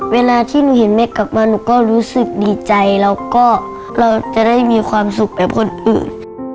เวลาที่หนูเห็นแม่กลับมาหนูก็รู้สึกดีใจแล้วก็เราจะได้มีความสุขแบบคนอื่น